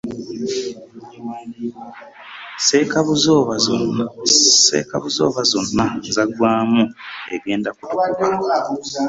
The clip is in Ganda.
Sseka buzooba zonna zagwamu egenda etukuba .